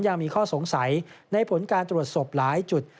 ยังมีข้อสงสัยในผลการตรวจศพหลายจุด